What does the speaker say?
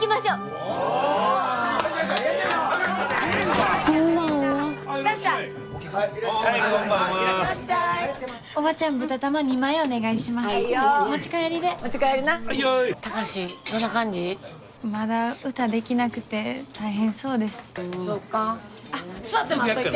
あっ座って待っといて。